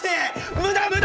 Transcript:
無駄無駄